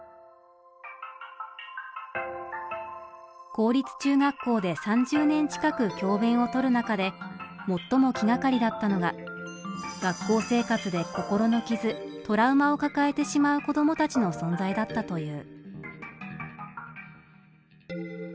公立中学校で３０年近く教べんを執る中で最も気がかりだったのが学校生活で心の傷トラウマを抱えてしまう子どもたちの存在だったという。